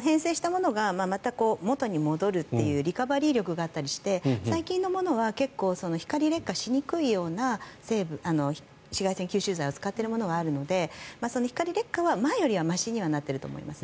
変性したものがまた元に戻るというリカバリー力があったりして最近のものは結構、光劣化しにくいような紫外線吸収剤を使っているものがあるので光劣化は前よりはましになってると思います。